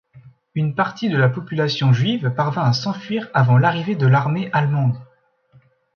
Une partie de la population juive parvint à s'enfuir avant l'arrivée de l'armée allemande.